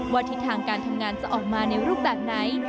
ทิศทางการทำงานจะออกมาในรูปแบบไหน